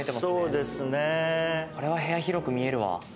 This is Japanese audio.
これは部屋広く見えるわ。